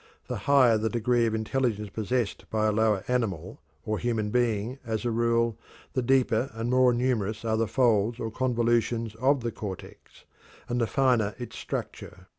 The higher the degree of intelligence possessed by a lower animal or human being, as a rule, the deeper and more numerous are the folds or convolutions of the cortex, and the finer its structure.